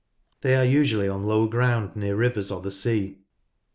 They are usually on low ground near rivers or the sea.